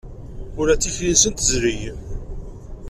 Ula d tikli-nsen tezleg.